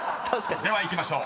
［ではいきましょう。